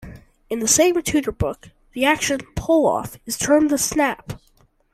In the same tutor book, the action 'pull off' is termed the 'snap'.